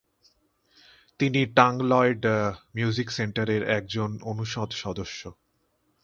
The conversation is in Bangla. তিনি টাঙ্গলউড মিউজিক সেন্টারের একজন অনুষদ সদস্য।